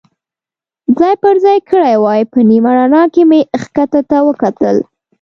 ځای پر ځای کړي وای، په نیمه رڼا کې مې کښته ته وکتل.